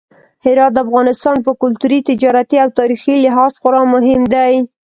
هرات د افغانستان په کلتوري، تجارتي او تاریخي لحاظ خورا مهم دی.